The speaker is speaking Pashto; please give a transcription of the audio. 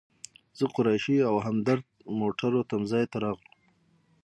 زه، قریشي او همدرد موټرو تم ځای ته راغلو.